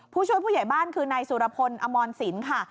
ผู้ช่วยผู้ใหญ่บ้านคือนายสุรพลอมรสินค่ะ